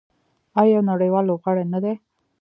آیا یو نړیوال لوبغاړی نه دی؟